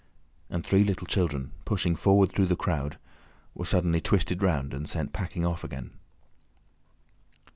and three little children, pushing forward through the crowd, were suddenly twisted round and sent packing off again.